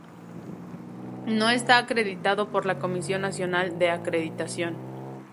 No está acreditado por la Comisión Nacional de Acreditación.